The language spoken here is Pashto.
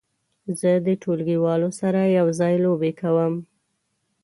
زه د ټولګیوالو سره یو ځای لوبې کوم.